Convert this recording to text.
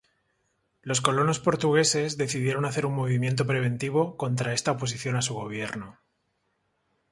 Los colonos portugueses decidieron hacer un movimiento preventivo contra esta oposición a su gobierno.